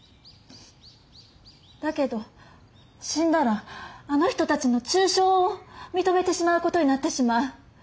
だけど死んだらあの人たちの中傷を認めてしまうことになってしまう。